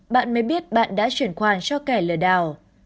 bạn mới biết bạn đã chuyển khoản cho kẻ lừa đảo